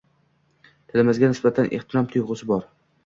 Tilimizga nisbatan ehtirom tuyg‘usi bor.